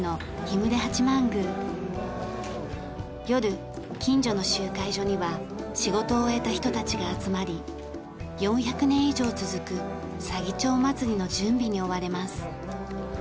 夜近所の集会所には仕事を終えた人たちが集まり４００年以上続く左義長まつりの準備に追われます。